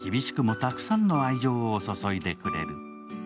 ママの風海は厳しくもたくさんの愛情を注いでくれる。